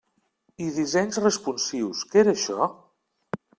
I dissenys responsius… què era això?